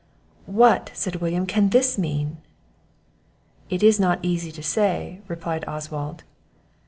"What," said William, "can this mean?" "It is not easy to say," replied Oswald.